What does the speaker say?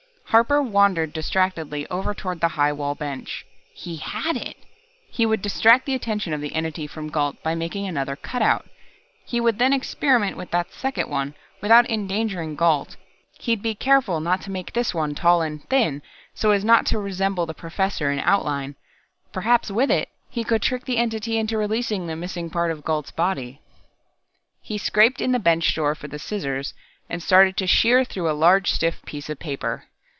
Harper wandered distractedly over toward the high wall bench. He had it! He would distract the attention of the Entity from Gault by making another cutout. He would then experiment with that second one, without endangering Gault. He'd be careful not to make this one thin and tall, so as not to resemble the Professor in outline. Perhaps with it, he could trick the Entity into releasing the missing part of Gault's body.... He scraped in the bench drawer for the scissors, and started to sheer through a large stiff piece of paper.